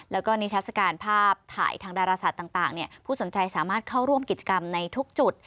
แล้วก็นิทัศกาลภาพถ่ายทางดาราศาสตร์ต่างผู้สนใจสามารถเข้าร่วมกิจกรรมในทุกจุด